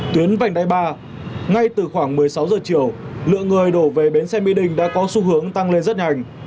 tuyến vành đai ba ngay từ khoảng một mươi sáu giờ chiều lượng người đổ về bến xe mỹ đình đã có xu hướng tăng lên rất nhanh